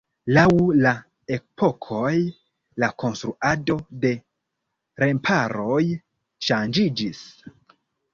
Laŭ la epokoj la konstruado de remparoj ŝanĝiĝis.